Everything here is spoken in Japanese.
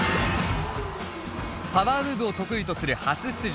パワームーブを得意とする初出場